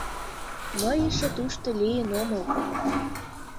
Мый эше тушто лийын омыл.